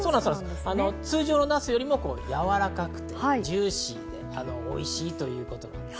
通常のなすよりもやわらかくてジューシーでおいしいということです。